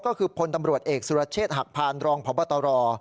ก็คือพลตำรวจเอกสุรเชษฐ์หักพานรองพบตร